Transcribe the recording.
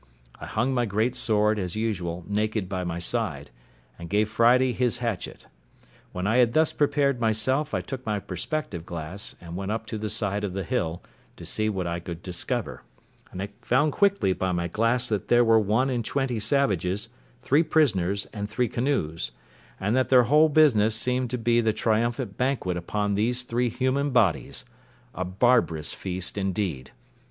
I hung my great sword, as usual, naked by my side, and gave Friday his hatchet. When I had thus prepared myself, I took my perspective glass, and went up to the side of the hill, to see what I could discover; and I found quickly by my glass that there were one and twenty savages, three prisoners, and three canoes; and that their whole business seemed to be the triumphant banquet upon these three human bodies: a barbarous feast, indeed!